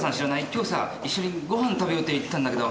今日さ「一緒にご飯食べよう」って言ってたんだけど。